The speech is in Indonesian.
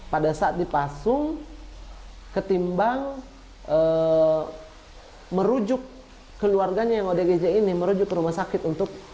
pada saat dipasung ketimbang eh merujuk keluarganya promised ini merujuk rumah sakit untuk